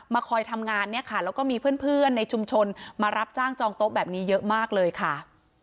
คอยทำงานเนี่ยค่ะแล้วก็มีเพื่อนในชุมชนมารับจ้างจองโต๊ะแบบนี้เยอะมากเลยค่ะ